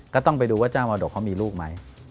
ก็ต้องไปดูว่าเจ้ามรดกเขามีลูกไหม